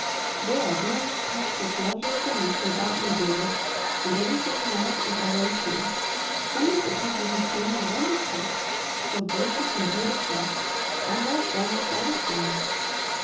"There are rooms packed with the lovely things they bought me, David, and everything was as I wrote you. Some of the people who came were wonderful, so gracious and beautiful, I loved almost all of them.